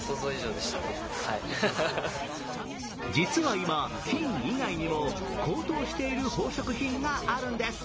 実は今、金以外にも高騰している宝飾品があるんです。